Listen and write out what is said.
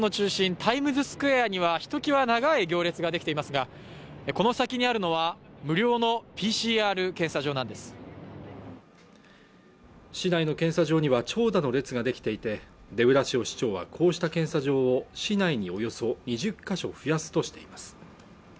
タイムズスクエアにはひときわ長い行列ができていますがこの先にあるのは無料のＰＣＲ検査場なんです市内の検査場には長蛇の列ができていてデブラシオ市長はこうした検査場を市内におよそ２０か所増やすとしています